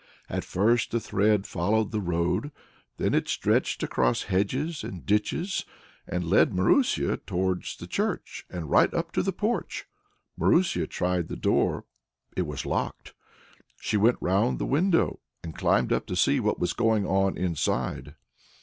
At first the thread followed the road, then it stretched across hedges and ditches, and led Marusia towards the church and right up to the porch. Marusia tried the door; it was locked. She went round the church, found a ladder, set it against a window, and climbed up it to see what was going on inside.